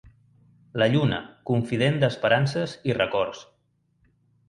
La lluna, confident d'esperances i records.